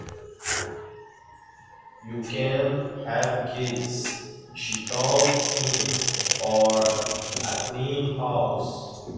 "You can have kids", she told him, "or a clean house.